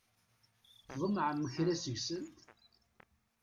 Tḍemɛem kra seg-sent?